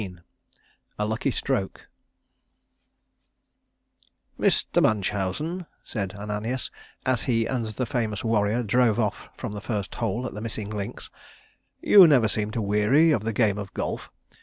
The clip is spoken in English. XV A LUCKY STROKE "Mr. Munchausen," said Ananias, as he and the famous warrior drove off from the first hole at the Missing Links, "you never seem to weary of the game of golf.